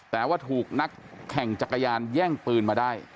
แต่ว่าถูกนักแข่งจักรยานแย่งปืนมาได้